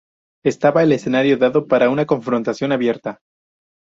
Estaba el escenario dado para una confrontación abierta.